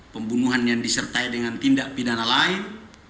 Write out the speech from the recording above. pembunuhan yang disertai dengan tindak pidana lain